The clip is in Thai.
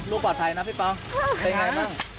ลูกปลอดภัยนะพี่ปองโอเคไงบ้าง